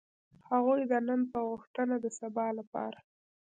هغوی د نن په غوښتنه د سبا لپاره.